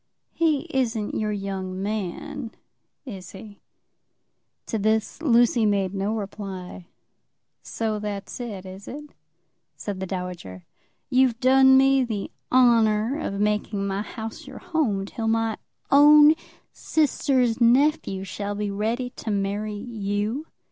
"He isn't your young man; is he?" To this Lucy made no reply. "So that's it, is it?" said the dowager. "You've done me the honour of making my house your home till my own sister's nephew shall be ready to marry you?"